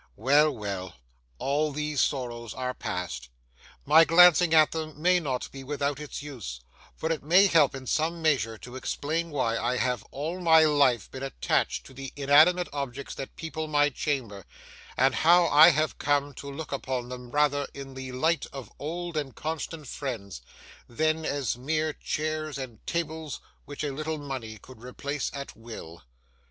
Well, well,—all these sorrows are past. My glancing at them may not be without its use, for it may help in some measure to explain why I have all my life been attached to the inanimate objects that people my chamber, and how I have come to look upon them rather in the light of old and constant friends, than as mere chairs and tables which a little money could replace at will.